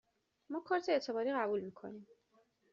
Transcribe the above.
ما کارت اعتباری قبول می کنیم.